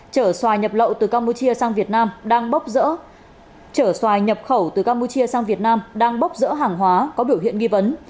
chở xoài nhập lậu từ campuchia sang việt nam đang bóp dỡ hàng hóa có biểu hiện nghi vấn